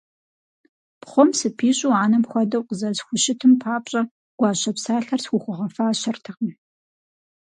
Пхъум сыпищӀу анэм хуэдэу къызэрисхущытым папщӀэ гуащэ псалъэр схухуэгъэфащэртэкъым.